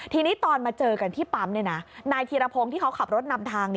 ทีนี้ตอนมาเจอกันที่ปั๊มนายธีรพงศ์ที่เขาขับรถนำทาง